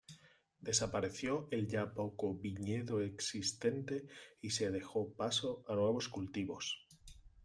Desapareció el ya poco viñedo existente y se dejó paso a nuevos cultivos.